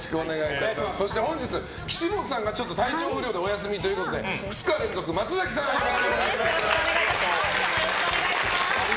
本日岸本さんが体調不良でお休みということで今日もよろしくお願いします。